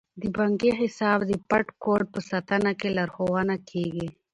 د بانکي حساب د پټ کوډ په ساتنه کې لارښوونه کیږي.